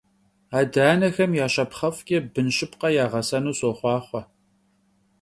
Ade - anexem ya şapxhef'ç'e bın şıpkhe yağesenu soxhuaxhue!